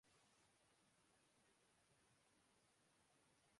دردانہ انصاری کا